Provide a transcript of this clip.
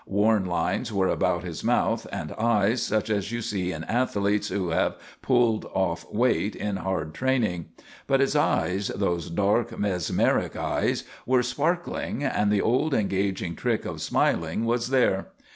Worn lines were about his mouth and eyes such as you see in athletes who have "pulled off" weight in hard training. But his eyes, those dark, mesmeric eyes, were sparkling and the old engaging trick of smiling was there.